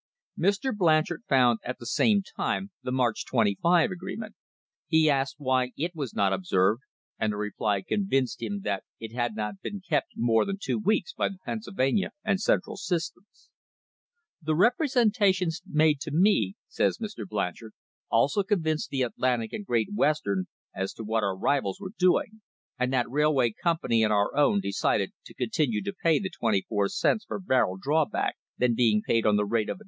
Mr. Blanchard found at the same time the March 25 agreement. He asked why it was not observed, and the reply convinced him that it had not been kept more than two weeks by the Pennsylvania and Central systems. "The representations made to me," says Mr. Blanchard, "also convinced the Atlantic and Great West ern as to what our rivals were doing, and that railway com pany and our own decided to continue to pay the twenty four cents per barrel drawback then being paid on the rate of $1.